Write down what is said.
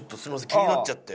気になっちゃって。